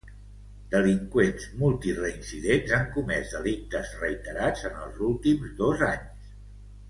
Delinqüents multireincidents han comès delictes reiterats en els últims dos anys.